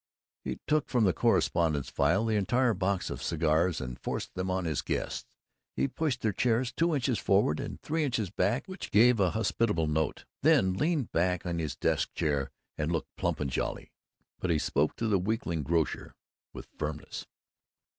He took from the correspondence file the entire box of cigars and forced them on his guests. He pushed their chairs two inches forward and three inches back, which gave an hospitable note, then leaned back in his desk chair and looked plump and jolly. But he spoke to the weakling grocer with firmness.